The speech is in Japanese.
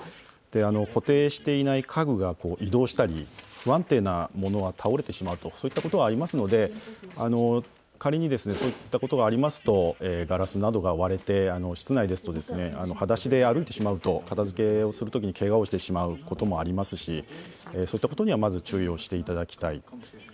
固定していない家具などが移動したり、不安定なものが倒れてしまうと、そういったことがありますので仮にそういったことがありますとカラスなどが割れて室内ですとはだしで歩いてしまうと片づけをするときにけがをしてしまうこともありますしそういったことにはまず注意をしていただきたい。